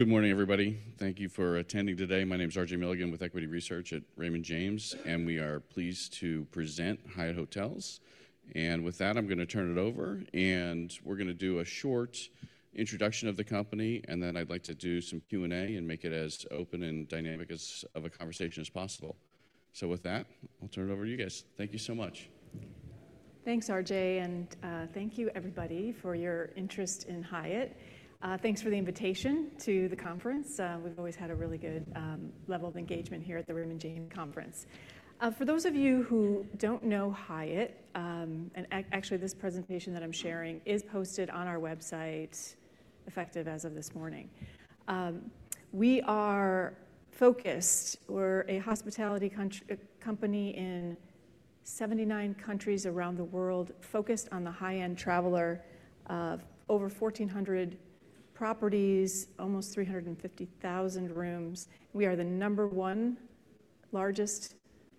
Good morning, everybody. Thank you for attending today. My name is R.J. Milligan with Equity Research at Raymond James, and we are pleased to present Hyatt Hotels. And with that, I'm going to turn it over, and we're going to do a short introduction of the company, and then I'd like to do some Q&A and make it as open and dynamic of a conversation as possible. So with that, I'll turn it over to you guys. Thank you so much. Thanks, R.J., and thank you, everybody, for your interest in Hyatt. Thanks for the invitation to the conference. We've always had a really good level of engagement here at the Raymond James Conference. For those of you who don't know Hyatt, and actually this presentation that I'm sharing is posted on our website effective as of this morning. We are focused. We're a hospitality company in 79 countries around the world focused on the high-end traveler, over 1,400 properties, almost 350,000 rooms. We are the number one largest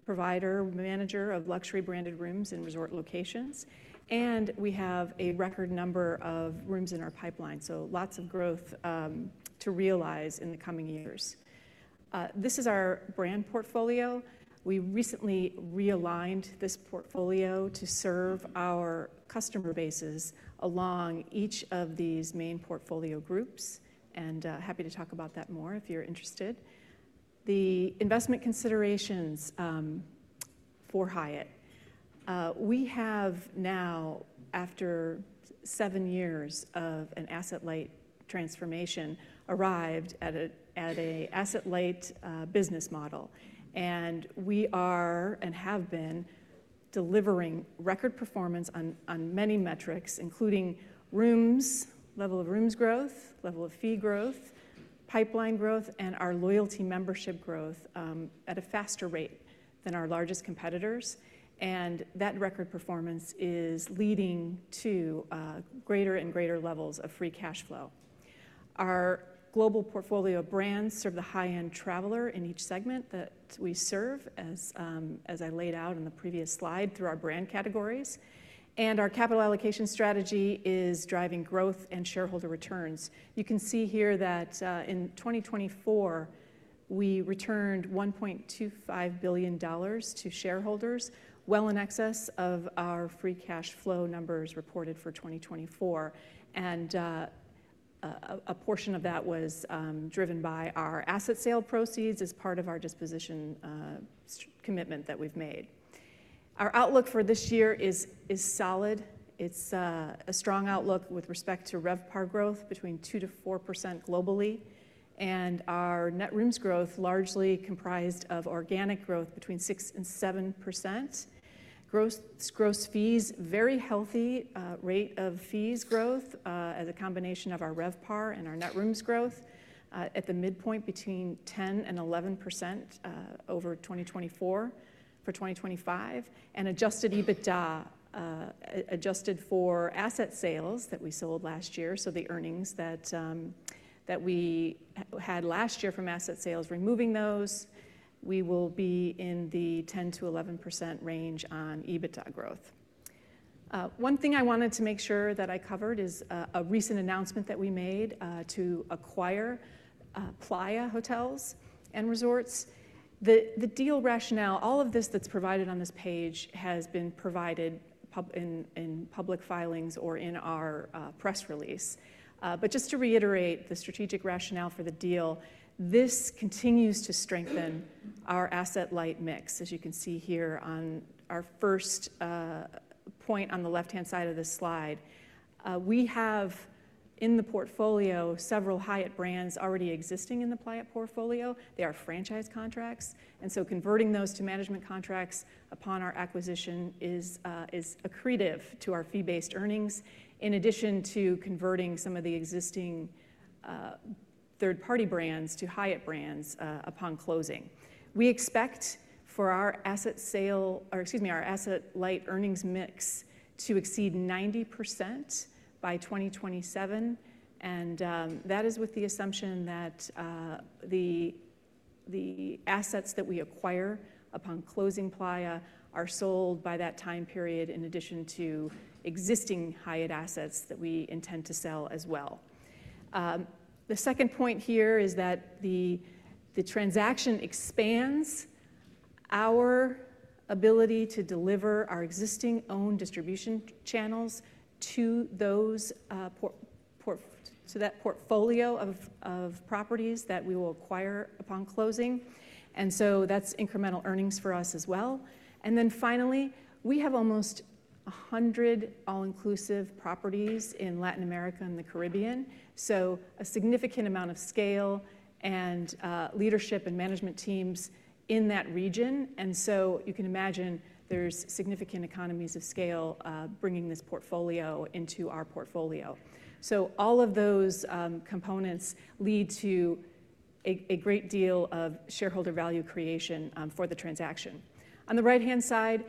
provider, manager of luxury branded rooms and resort locations, and we have a record number of rooms in our pipeline, so lots of growth to realize in the coming years. This is our brand portfolio. We recently realigned this portfolio to serve our customer bases along each of these main portfolio groups, and happy to talk about that more if you're interested. The investment considerations for Hyatt: we have now, after seven years of an asset-light transformation, arrived at an asset-light business model, and we are and have been delivering record performance on many metrics, including rooms, level of rooms growth, level of fee growth, pipeline growth, and our loyalty membership growth at a faster rate than our largest competitors. And that record performance is leading to greater and greater levels of free cash flow. Our global portfolio brands serve the high-end traveler in each segment that we serve, as I laid out in the previous slide, through our brand categories. And our capital allocation strategy is driving growth and shareholder returns. You can see here that in 2024, we returned $1.25 billion to shareholders, well in excess of our free cash flow numbers reported for 2024. And a portion of that was driven by our asset sale proceeds as part of our disposition commitment that we've made. Our outlook for this year is solid. It's a strong outlook with respect to RevPAR growth, between 2%-4% globally, and our net rooms growth, largely comprised of organic growth, between 6% and 7%. Gross fees, very healthy rate of fees growth as a combination of our RevPAR and our net rooms growth at the midpoint between 10% and 11% over 2024 for 2025, and adjusted EBITDA, adjusted for asset sales that we sold last year. So the earnings that we had last year from asset sales, removing those, we will be in the 10%-11% range on EBITDA growth. One thing I wanted to make sure that I covered is a recent announcement that we made to acquire Playa Hotels & Resorts. The deal rationale, all of this that's provided on this page has been provided in public filings or in our press release. But just to reiterate the strategic rationale for the deal, this continues to strengthen our asset-light mix, as you can see here on our first point on the left-hand side of this slide. We have in the portfolio several Hyatt brands already existing in the Playa portfolio. They are franchise contracts, and so converting those to management contracts upon our acquisition is accretive to our fee-based earnings, in addition to converting some of the existing third-party brands to Hyatt brands upon closing. We expect for our asset sale, or excuse me, our asset-light earnings mix to exceed 90% by 2027, and that is with the assumption that the assets that we acquire upon closing Playa are sold by that time period, in addition to existing Hyatt assets that we intend to sell as well. The second point here is that the transaction expands our ability to deliver our existing own distribution channels to that portfolio of properties that we will acquire upon closing, and so that's incremental earnings for us as well. And then finally, we have almost 100 all-inclusive properties in Latin America and the Caribbean, so a significant amount of scale and leadership and management teams in that region. And so you can imagine there's significant economies of scale bringing this portfolio into our portfolio. So all of those components lead to a great deal of shareholder value creation for the transaction. On the right-hand side,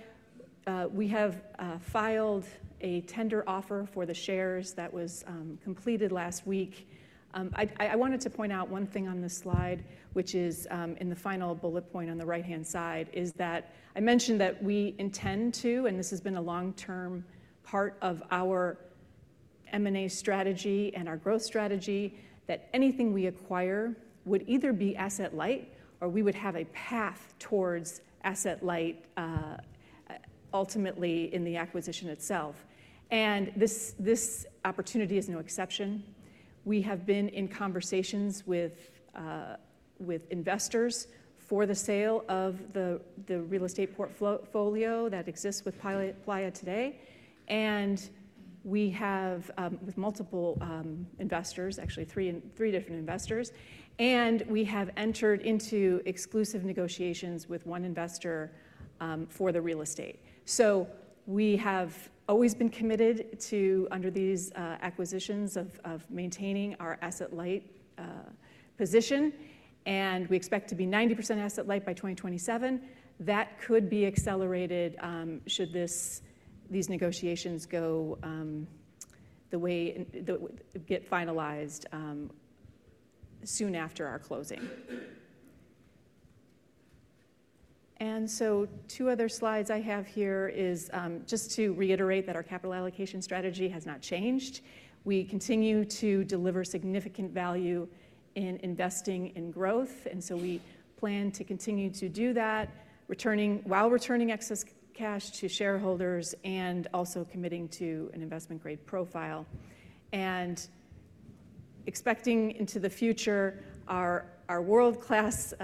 we have filed a tender offer for the shares that was completed last week. I wanted to point out one thing on this slide, which is in the final bullet point on the right-hand side, is that I mentioned that we intend to, and this has been a long-term part of our M&A strategy and our growth strategy, that anything we acquire would either be asset-light or we would have a path towards asset-light ultimately in the acquisition itself, and this opportunity is no exception. We have been in conversations with investors for the sale of the real estate portfolio that exists with Playa today, and we have with multiple investors, actually three different investors, and we have entered into exclusive negotiations with one investor for the real estate. So we have always been committed to, under these acquisitions, of maintaining our asset-light position, and we expect to be 90% asset-light by 2027. That could be accelerated should these negotiations get finalized soon after our closing. And so two other slides I have here is just to reiterate that our capital allocation strategy has not changed. We continue to deliver significant value in investing in growth, and so we plan to continue to do that while returning excess cash to shareholders and also committing to an investment-grade profile. And expecting into the future, our world-class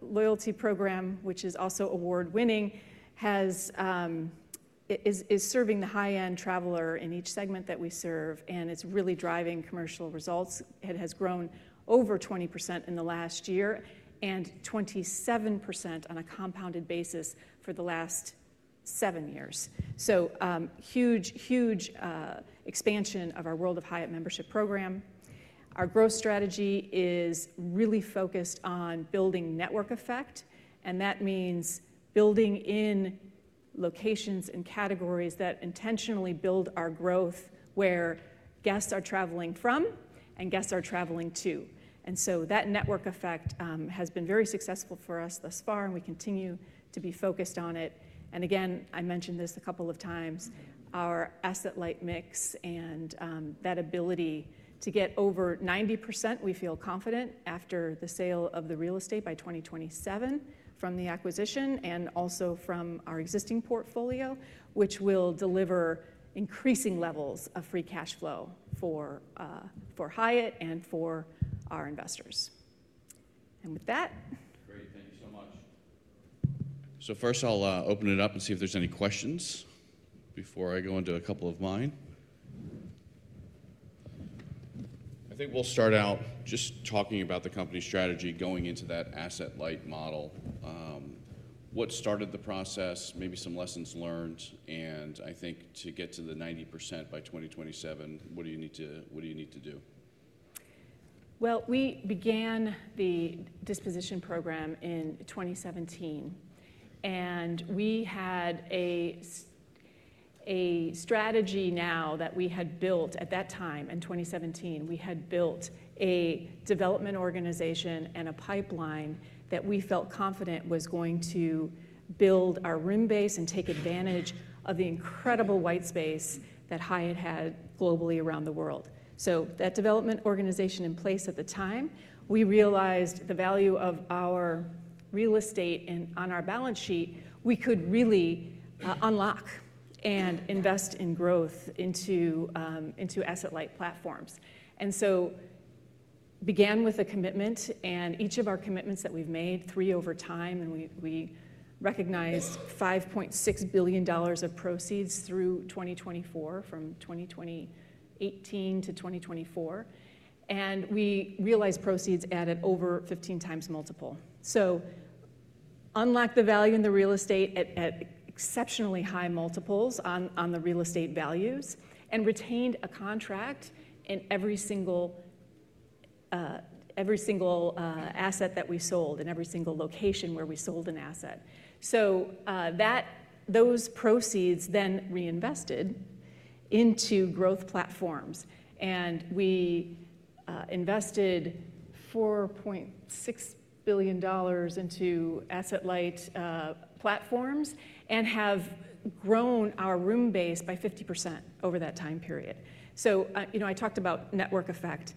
loyalty program, which is also award-winning, is serving the high-end traveler in each segment that we serve, and it's really driving commercial results. It has grown over 20% in the last year and 27% on a compounded basis for the last seven years. So huge, huge expansion of our World of Hyatt membership program. Our growth strategy is really focused on building network effect, and that means building in locations and categories that intentionally build our growth where guests are traveling from and guests are traveling to. And so that network effect has been very successful for us thus far, and we continue to be focused on it. And again, I mentioned this a couple of times, our asset-light mix and that ability to get over 90%. We feel confident after the sale of the real estate by 2027 from the acquisition and also from our existing portfolio, which will deliver increasing levels of free cash flow for Hyatt and for our investors. And with that. Great. Thank you so much. So first I'll open it up and see if there's any questions before I go into a couple of mine. I think we'll start out just talking about the company strategy going into that asset-light model. What started the process, maybe some lessons learned, and I think to get to the 90% by 2027, what do you need to do? We began the disposition program in 2017, and we had a strategy now that we had built at that time in 2017. We had built a development organization and a pipeline that we felt confident was going to build our room base and take advantage of the incredible white space that Hyatt had globally around the world. That development organization in place at the time, we realized the value of our real estate and on our balance sheet, we could really unlock and invest in growth into asset-light platforms. We began with a commitment, and each of our commitments that we've made, three over time, and we recognized $5.6 billion of proceeds through 2024, from 2018 to 2024. We realized proceeds added over 15x multiple. So unlocked the value in the real estate at exceptionally high multiples on the real estate values and retained a contract in every single asset that we sold and every single location where we sold an asset. So those proceeds then reinvested into growth platforms, and we invested $4.6 billion into asset-light platforms and have grown our room base by 50% over that time period. So I talked about network effect.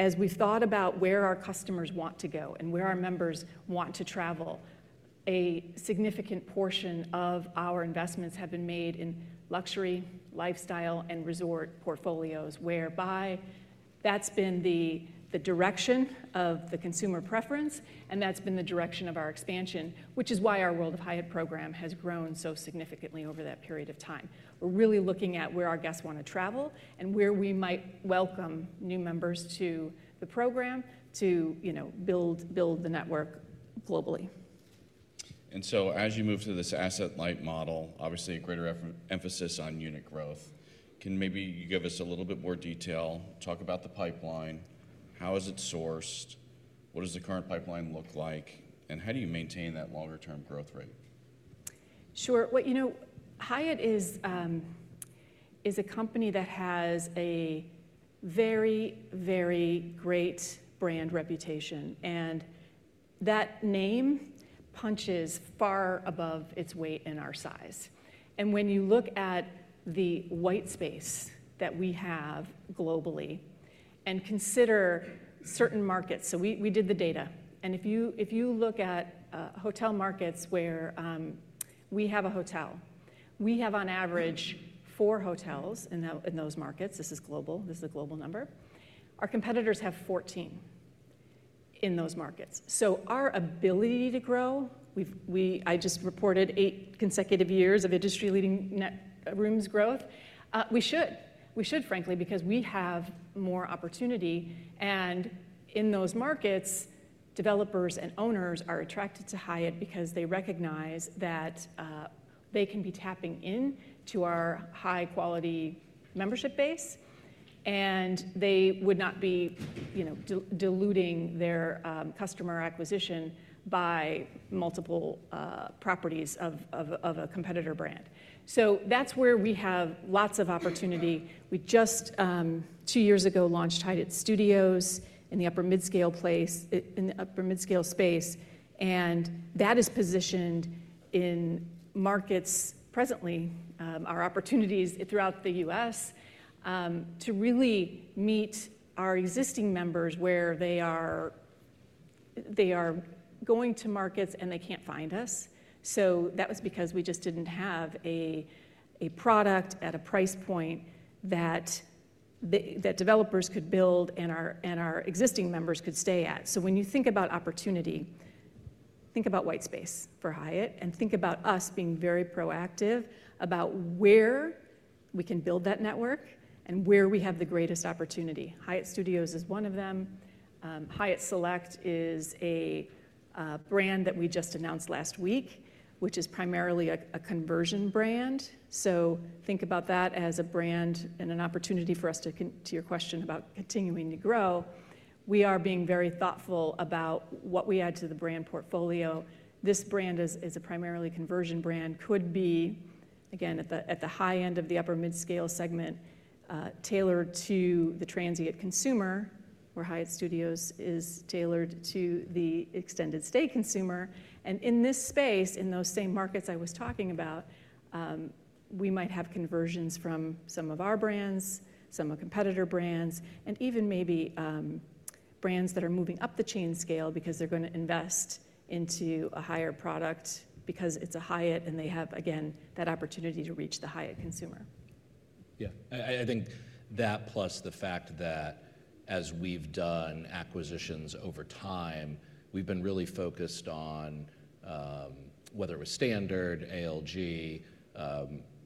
As we've thought about where our customers want to go and where our members want to travel, a significant portion of our investments have been made in luxury, lifestyle, and resort portfolios, whereby that's been the direction of the consumer preference, and that's been the direction of our expansion, which is why our World of Hyatt program has grown so significantly over that period of time. We're really looking at where our guests want to travel and where we might welcome new members to the program to build the network globally. And so as you move to this asset-light model, obviously a greater emphasis on unit growth. Can maybe you give us a little bit more detail, talk about the pipeline, how is it sourced, what does the current pipeline look like, and how do you maintain that longer-term growth rate? Sure. Well, you know Hyatt is a company that has a very, very great brand reputation, and that name punches far above its weight in our size, and when you look at the white space that we have globally and consider certain markets, so we did the data, and if you look at hotel markets where we have a hotel, we have on average four hotels in those markets. This is global. This is a global number. Our competitors have 14 in those markets, so our ability to grow, I just reported eight consecutive years of industry-leading rooms growth, we should, frankly, because we have more opportunity, and in those markets, developers and owners are attracted to Hyatt because they recognize that they can be tapping into our high-quality membership base, and they would not be diluting their customer acquisition by multiple properties of a competitor brand. That's where we have lots of opportunity. We just, two years ago, launched Hyatt Studios in the upper-mid-scale space, and that is positioned in markets presently, our opportunities throughout the U.S., to really meet our existing members where they are going to markets and they can't find us. That was because we just didn't have a product at a price point that developers could build and our existing members could stay at. When you think about opportunity, think about white space for Hyatt and think about us being very proactive about where we can build that network and where we have the greatest opportunity. Hyatt Studios is one of them. Hyatt Select is a brand that we just announced last week, which is primarily a conversion brand. Think about that as a brand and an opportunity for us to your question about continuing to grow. We are being very thoughtful about what we add to the brand portfolio. This brand is a primarily conversion brand, could be, again, at the high end of the upper-mid-scale segment, tailored to the transient consumer, where Hyatt Studios is tailored to the extended stay consumer, and in this space, in those same markets I was talking about, we might have conversions from some of our brands, some of competitor brands, and even maybe brands that are moving up the chain scale because they're going to invest into a higher product because it's a Hyatt and they have, again, that opportunity to reach the Hyatt consumer. Yeah. I think that plus the fact that as we've done acquisitions over time, we've been really focused on whether it was Standard, ALG,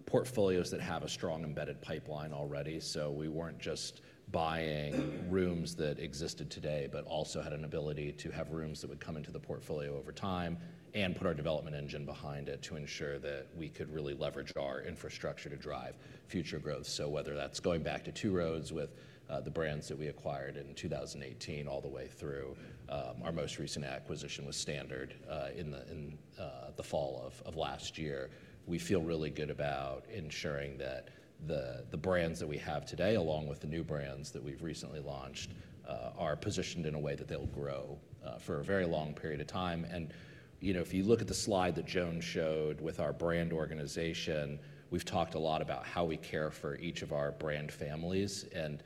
portfolios that have a strong embedded pipeline already, so we weren't just buying rooms that existed today, but also had an ability to have rooms that would come into the portfolio over time and put our development engine behind it to ensure that we could really leverage our infrastructure to drive future growth, so whether that's going back to Two Roads with the brands that we acquired in 2018 all the way through our most recent acquisition with Standard in the fall of last year, we feel really good about ensuring that the brands that we have today, along with the new brands that we've recently launched, are positioned in a way that they'll grow for a very long period of time. And if you look at the slide that Joan showed with our brand organization, we've talked a lot about how we care for each of our brand families. And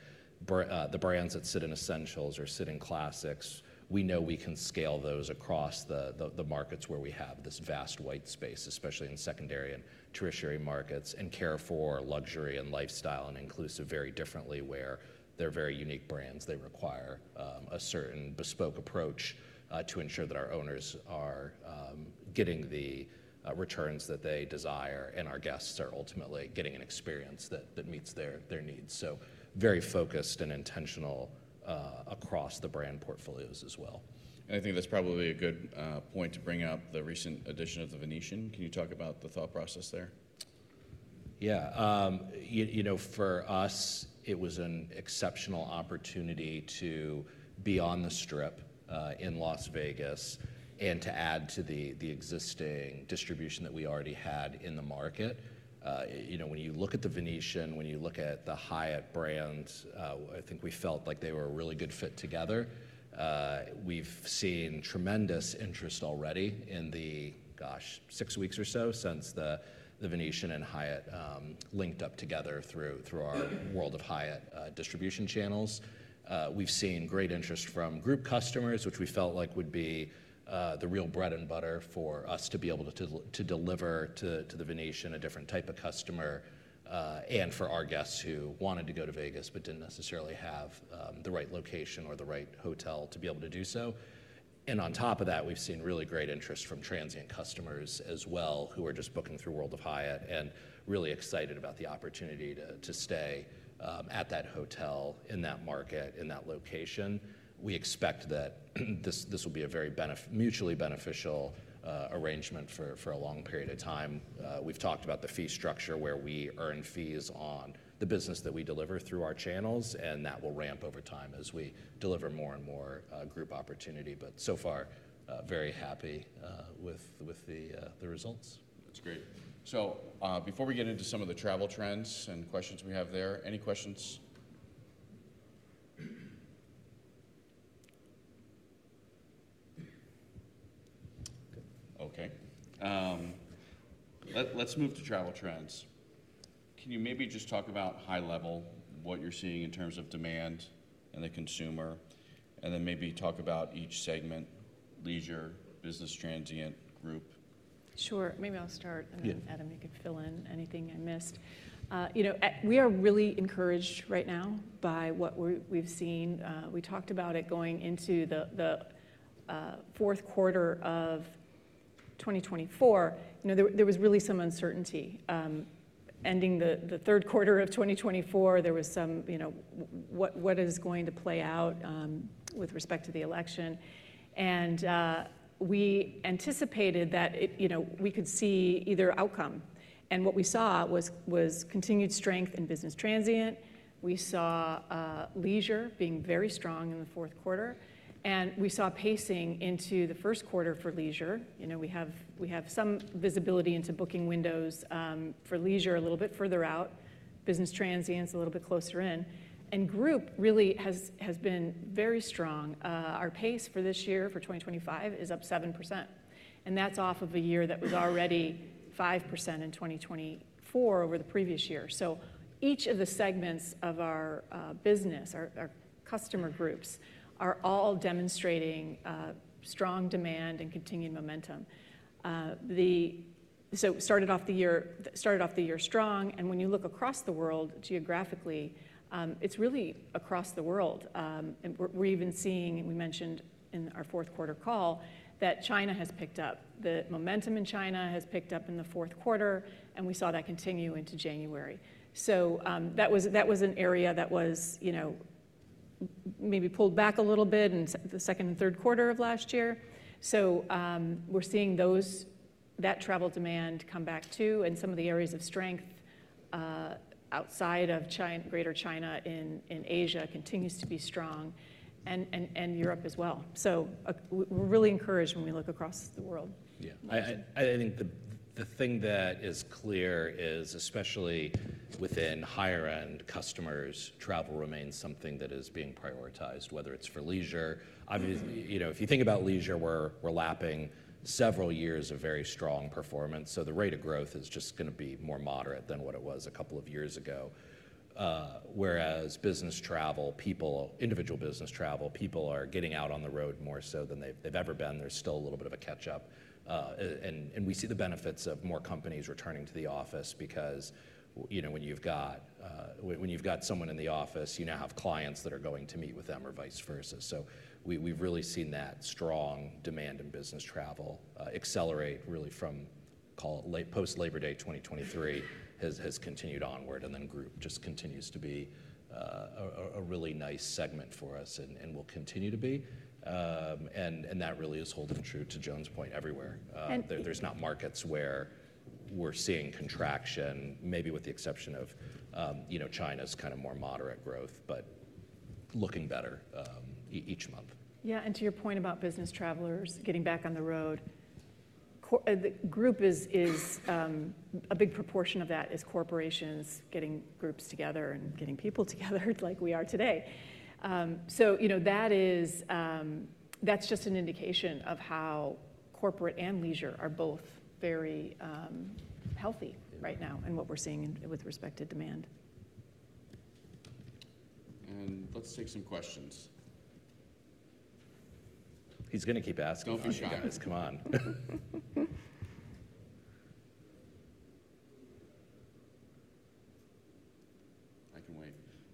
the brands that sit in Essentials or sit in Classics, we know we can scale those across the markets where we have this vast white space, especially in secondary and tertiary markets, and care for luxury and lifestyle and inclusive very differently, where they're very unique brands. They require a certain bespoke approach to ensure that our owners are getting the returns that they desire, and our guests are ultimately getting an experience that meets their needs. So very focused and intentional across the brand portfolios as well. I think that's probably a good point to bring up the recent addition of the Venetian. Can you talk about the thought process there? Yeah. For us, it was an exceptional opportunity to be on the Strip in Las Vegas and to add to the existing distribution that we already had in the market. When you look at the Venetian, when you look at the Hyatt brands, I think we felt like they were a really good fit together. We've seen tremendous interest already in the, gosh, six weeks or so since the Venetian and Hyatt linked up together through our World of Hyatt distribution channels. We've seen great interest from group customers, which we felt like would be the real bread and butter for us to be able to deliver to the Venetian, a different type of customer, and for our guests who wanted to go to Vegas but didn't necessarily have the right location or the right hotel to be able to do so. And on top of that, we've seen really great interest from transient customers as well who are just booking through World of Hyatt and really excited about the opportunity to stay at that hotel, in that market, in that location. We expect that this will be a very mutually beneficial arrangement for a long period of time. We've talked about the fee structure where we earn fees on the business that we deliver through our channels, and that will ramp over time as we deliver more and more group opportunity, but so far very happy with the results. That's great. So before we get into some of the travel trends and questions we have there, any questions? Okay. Let's move to travel trends. Can you maybe just talk about high level what you're seeing in terms of demand and the consumer, and then maybe talk about each segment, leisure, business, transient, group? Sure. Maybe I'll start, and then Adam you could fill in anything I missed. We are really encouraged right now by what we've seen. We talked about it going into the fourth quarter of 2024. There was really some uncertainty. Ending the third quarter of 2024, there was some, what is going to play out with respect to the election? And we anticipated that we could see either outcome. And what we saw was continued strength in business transient. We saw leisure being very strong in the fourth quarter, and we saw pacing into the first quarter for leisure. We have some visibility into booking windows for leisure a little bit further out, business transients a little bit closer in. And group really has been very strong. Our pace for this year, for 2025, is up 7%. And that's off of a year that was already 5% in 2024 over the previous year. So each of the segments of our business, our customer groups, are all demonstrating strong demand and continued momentum. So we started off the year strong, and when you look across the world geographically, it's really across the world. We're even seeing, we mentioned in our fourth quarter call, that China has picked up. The momentum in China has picked up in the fourth quarter, and we saw that continue into January. So that was an area that was maybe pulled back a little bit in the second and third quarter of last year. So we're seeing that travel demand come back too, and some of the areas of strength outside of Greater China in Asia continues to be strong and Europe as well. So we're really encouraged when we look across the world. Yeah. I think the thing that is clear is, especially within higher-end customers, travel remains something that is being prioritized, whether it's for leisure. Obviously, if you think about leisure, we're lapping several years of very strong performance. So the rate of growth is just going to be more moderate than what it was a couple of years ago. Whereas business travel, individual business travel, people are getting out on the road more so than they've ever been. There's still a little bit of a catch-up, and we see the benefits of more companies returning to the office because when you've got someone in the office, you now have clients that are going to meet with them or vice versa. We've really seen that strong demand in business travel accelerate really from, call it post-Labor Day 2023, has continued onward, and then group just continues to be a really nice segment for us and will continue to be. That really is holding true to Joan's point everywhere. There's not markets where we're seeing contraction, maybe with the exception of China's kind of more moderate growth, but looking better each month. Yeah. And to your point about business travelers getting back on the road, group is a big proportion of that, is corporations getting groups together and getting people together like we are today. So that's just an indication of how corporate and leisure are both very healthy right now and what we're seeing with respect to demand. Let's take some questions. He's going to keep asking about you guys. Come on.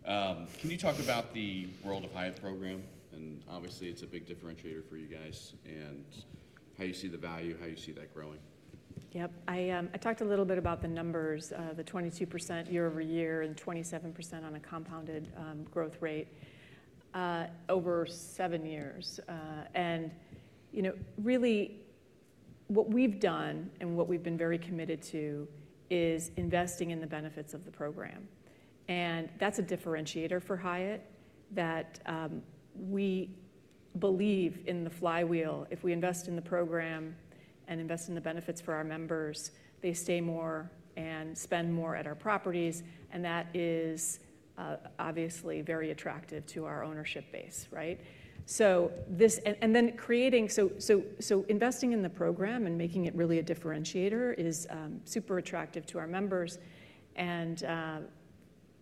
I can wait. Can you talk about the World of Hyatt program? And obviously, it's a big differentiator for you guys and how you see the value, how you see that growing. Yep. I talked a little bit about the numbers, the 22% year-over-year and 27% on a compounded growth rate over seven years. And really what we've done and what we've been very committed to is investing in the benefits of the program. And that's a differentiator for Hyatt that we believe in the flywheel. If we invest in the program and invest in the benefits for our members, they stay more and spend more at our properties, and that is obviously very attractive to our ownership base. And then creating, so investing in the program and making it really a differentiator is super attractive to our members. And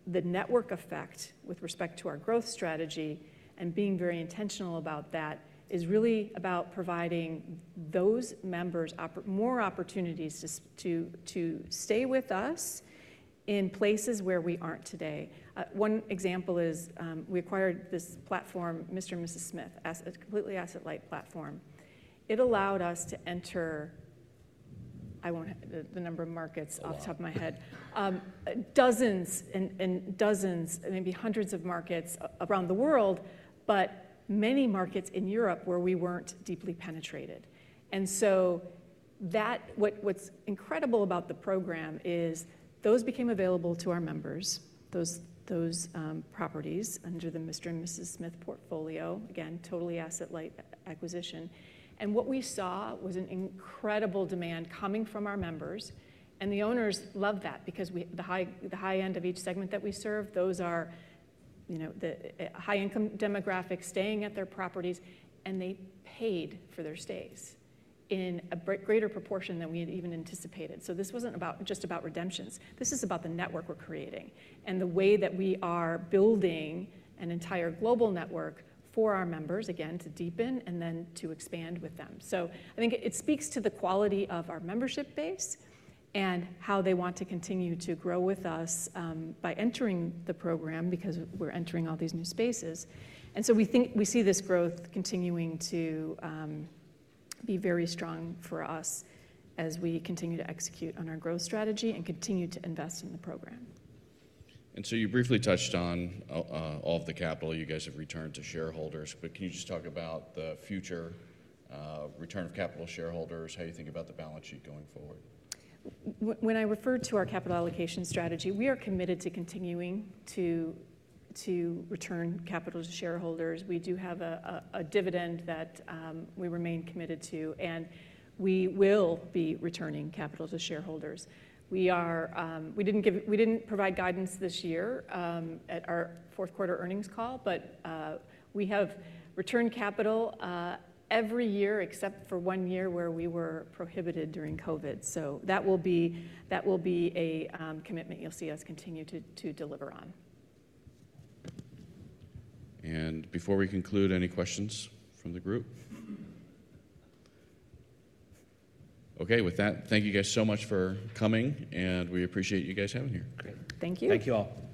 the network effect with respect to our growth strategy and being very intentional about that is really about providing those members more opportunities to stay with us in places where we aren't today. One example is we acquired this platform, Mr & Mrs Smith, a completely asset-light platform. It allowed us to enter, I won't have the number of markets off the top of my head, dozens and dozens, maybe hundreds of markets around the world, but many markets in Europe where we weren't deeply penetrated. And so what's incredible about the program is those became available to our members, those properties under the Mr & Mrs Smith portfolio, again, totally asset-light acquisition. And what we saw was an incredible demand coming from our members. And the owners love that because the high end of each segment that we serve, those are the high-income demographic staying at their properties, and they paid for their stays in a greater proportion than we even anticipated. So this wasn't just about redemptions. This is about the network we're creating and the way that we are building an entire global network for our members, again, to deepen and then to expand with them. So I think it speaks to the quality of our membership base and how they want to continue to grow with us by entering the program because we're entering all these new spaces, and so we see this growth continuing to be very strong for us as we continue to execute on our growth strategy and continue to invest in the program. And so you briefly touched on all of the capital you guys have returned to shareholders, but can you just talk about the future return of capital to shareholders, how you think about the balance sheet going forward? When I refer to our capital allocation strategy, we are committed to continuing to return capital to shareholders. We do have a dividend that we remain committed to, and we will be returning capital to shareholders. We didn't provide guidance this year at our fourth quarter earnings call, but we have returned capital every year except for one year where we were prohibited during COVID. So that will be a commitment you'll see us continue to deliver on. And before we conclude, any questions from the group? Okay. With that, thank you guys so much for coming, and we appreciate you guys having here. Great. Thank you. Thank you all.